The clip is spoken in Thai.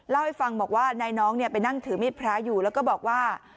เล่าให้ฟังบอกว่านายน้องไปนั่งถือมีดพระอยู่แล้วก็บอกว่า